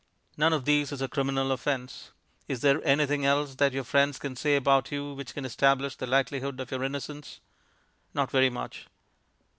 None of these is a criminal offence. Is there anything else that your friends can say about you which can establish the likelihood of your innocence? Not very much.